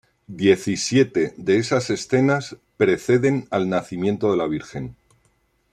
Diecisiete de esas escenas preceden al Nacimiento de la Virgen.